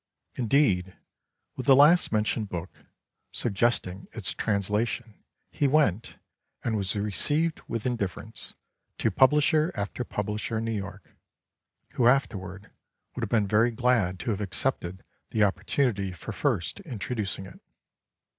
Indeed, with the last mentioned book, suggestingitstranslation, he went — and was received with indifference — to publisher after publisher in New York, who afterward would have been very glad to have accepted the opportunity for first introducing it.